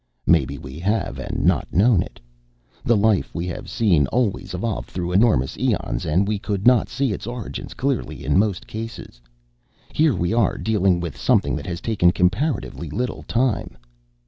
"Maybe we have and not known it. The life we have seen always evolved through enormous eons and we could not see its origins clearly in most cases. Here we are dealing with something that has taken comparatively little time."